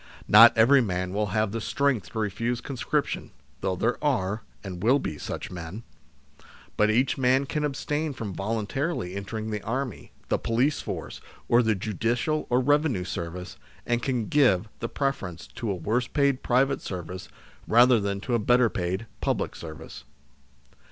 Not every man will have the strength to refuse conscription (though there are, and will be, such men), but each man can abstain from voluntarily entering the army, the police force, or the judicial or revenue service, and can give the prefer 120 THE SLAVERY OF OUR TIMES ence to a worse paid private service rather than to a better paid public service.